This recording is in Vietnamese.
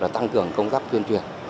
tăng cường công tác tuyên truyền